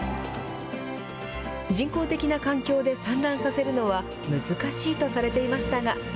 人工的な環境で産卵させるのは難しいとされていましたが。